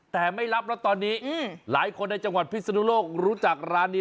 แต่ไม่รับแล้วตอนนี้หลายคนในจังหวัดพิศนุโลกรู้จักร้านนี้